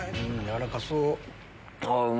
軟らかそう。